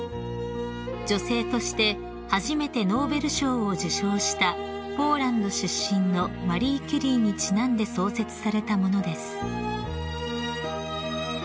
［女性として初めてノーベル賞を受賞したポーランド出身のマリー・キュリーにちなんで創設されたものです］